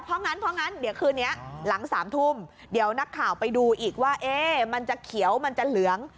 เพราะงั้นเพราะงั้นเดี๋ยวคืนนี้หลัง๓ทุ่มเดี๋ยวนักข่าวไปดูอีกว่ามันจะเขียวมันจะเหลือง